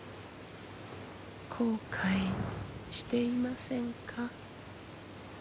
後悔していませんか？